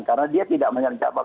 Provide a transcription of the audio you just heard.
karena dia tidak menjabat